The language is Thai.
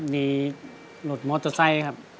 มีหลุดมอเตอร์ไซค์ครับ